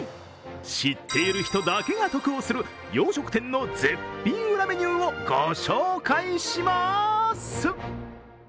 知っている人だけが得をする洋食店の絶品裏メニューをご紹介します。